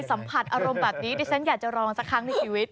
ยังไม่เคยสัมผัสอารมณ์แบบนี้แต่ฉันอยากจะรองสักครั้งในชีวิต